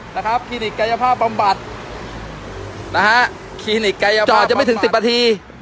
นะครับคลินิกกายภาพบำบัดนะฮะคลินิกจอดยังไม่ถึงสิบนาที